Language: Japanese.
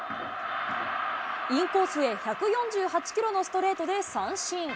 インコースへ、１４８キロのストレートで三振。